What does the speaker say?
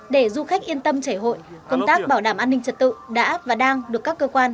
để du khách yên tâm chảy hội công tác bảo đảm an ninh trật tự đã và đang được các cơ quan